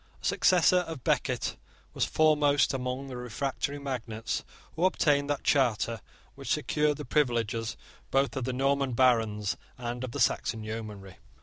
A successor of Becket was foremost among the refractory magnates who obtained that charter which secured the privileges both of the Norman barons and of the Saxon yeomanry.